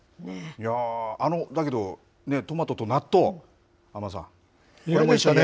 いやー、だけどね、トマトと納豆、安間さん。これも一緒に。